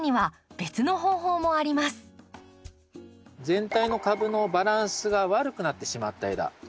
全体の株のバランスが悪くなってしまった枝。